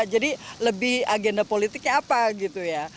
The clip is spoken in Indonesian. jadi lebih agenda politiknya apa gitu ya